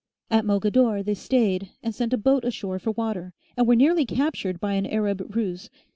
At Mogador, they stayed and sent a boat ashore for water, and were nearly captured by an Arab ruse.